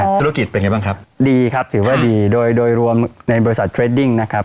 ธุรกิจเป็นไงบ้างครับดีครับถือว่าดีโดยโดยรวมในบริษัทเทรดดิ้งนะครับ